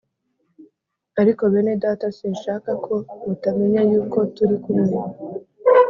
Ariko bene Data sinshaka ko mutamenya yuko turi kumwe